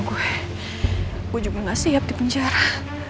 saya juga tidak siap di penjara